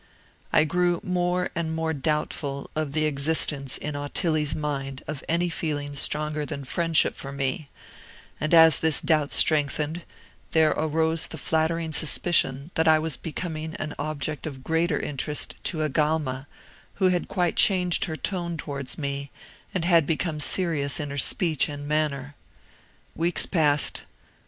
I grew more and more doubtful of the existence in Ottilie's mind of any feeling stronger than friendship for me; and as this doubt strengthened, there arose the flattering suspicion that I was becoming an object of greater interest to Agalma, who had quite changed her tone towards me, and had become serious in her speech and manner. Weeks passed.